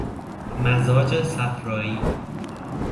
مزاج صفرائی